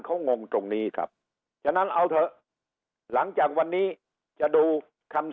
เขางงตรงนี้ครับฉะนั้นเอาเถอะหลังจากวันนี้จะดูคำ